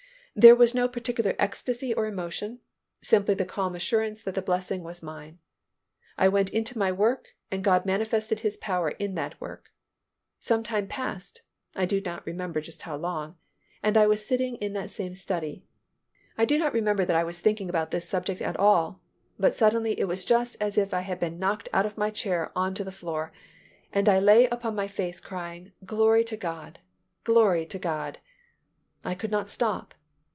There was no particular ecstasy or emotion, simply the calm assurance that the blessing was mine. I went into my work and God manifested His power in that work. Some time passed, I do not remember just how long, and I was sitting in that same study. I do not remember that I was thinking about this subject at all, but suddenly it was just as if I had been knocked out of my chair on to the floor, and I lay upon my face crying, "Glory to God! Glory to God!" I could not stop.